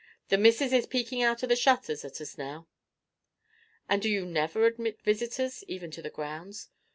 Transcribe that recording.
The Missus is peekin' out of the shutters at us now." "And do you never admit visitors, even to the grounds?"